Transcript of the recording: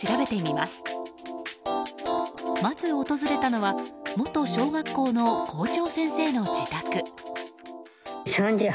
まず訪れたのは元小学校の校長先生の自宅。